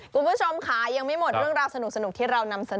คุณผู้ชมค่ะยังไม่หมดเรื่องราวสนุกที่เรานำเสนอ